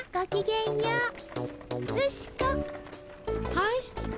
はい。